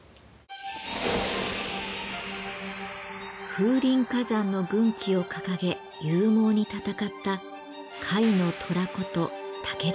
「風林火山」の軍旗を掲げ勇猛に戦った「甲斐の虎」こと武田信玄。